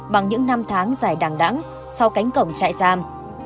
bằng những năm tháng dài đằng đẳng sau cánh cổng chạy giam